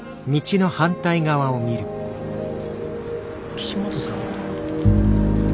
岸本さん？